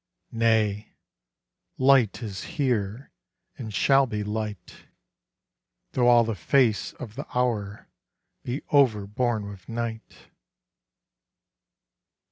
Nay, light is here, and shall be light, Though all the face of the hour be overborne with night.